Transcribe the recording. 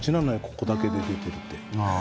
ここだけで出てるって。